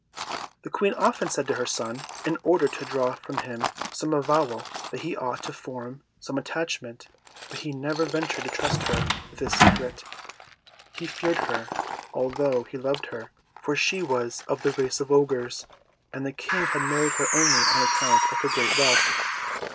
The Queen often said to her son, in order to draw from him some avowal, that he ought to form some attachment; but he never ventured to trust her with his secret. He feared her, although he loved her, for she was of the race of Ogres, and the King had married her only on account of her great wealth.